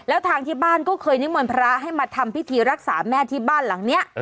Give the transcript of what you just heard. แล้วทางที่บ้านก็เคยนิมนต์พระให้มาทำพิธีรักษาแม่ที่บ้านหลังนี้